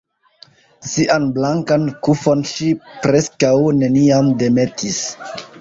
Sian blankan kufon ŝi preskaŭ neniam demetis.